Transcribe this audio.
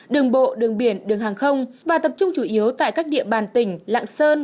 đường bộ đường biển đường hàng không và tập trung chủ yếu tại các địa bàn tỉnh lạng sơn